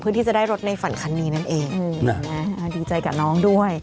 เพื่อที่จะได้รถในฝันคันนี้นั่นเองดีใจกับน้องด้วย